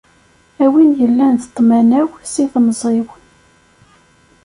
A win yellan d ṭṭmana-w si temẓi-w.